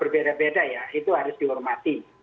berbeda beda ya itu harus dihormati